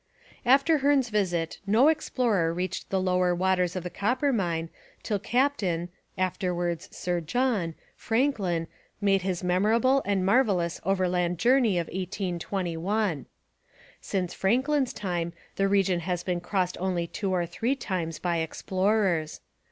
After Hearne's visit no explorer reached the lower waters of the Coppermine till Captain (afterwards Sir John) Franklin made his memorable and marvellous overland journey of 1821. Since Franklin's time the region has been crossed only two or three times by explorers.